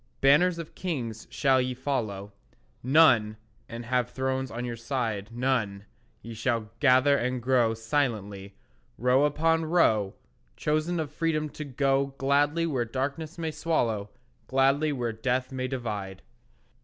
Banners of kings shall ye follow None, and have thrones on your side None; ye shall gather and grow Silently, row upon row, Chosen of Freedom to go Gladly where darkness may swallow, Gladly where death may divide.